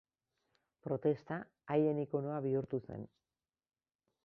Protesta haien ikonoa bihurtu zen.